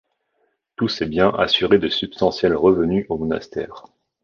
Tous ces biens assuraient de substantiels revenus au monastère.